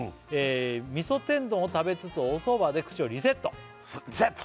「みそ天丼を食べつつおそばで口をリセット」リセット！